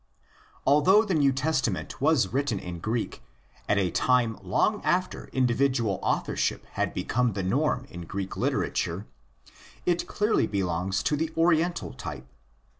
Although the New Testament was written in Greek at a time long after individual authorship had become the norm in Greek literature, it clearly belongs to the Oriental type.